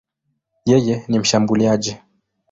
Yeye ni mshambuliaji.